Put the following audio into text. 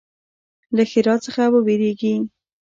له ښرا څخه ویریږي.